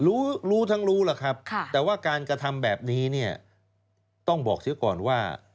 รู้รู้ทั้งรู้ล่ะครับแต่ว่าการกระทำแบบนี้เนี่ยต้องบอกเสียก่อนว่า